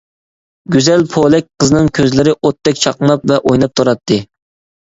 گۈزەل پولەك قىزنىڭ كۆزلىرى ئوتتەك چاقناپ ۋە ئويناپ تۇراتتى.